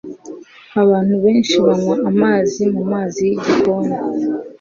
Abantu benshi banywa amazi mumazi yigikoni.